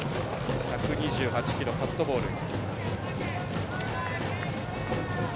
１２８キロ、カットボール。